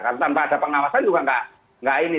karena tanpa ada pengawasan juga nggak ini